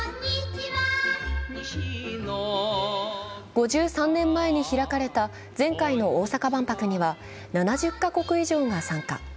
５３年前に開かれた前回の大阪万博には７０か国以上が参加。